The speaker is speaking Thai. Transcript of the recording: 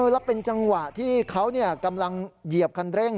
แล้วเป็นจังหวะที่เขากำลังเหยียบคันเร่ง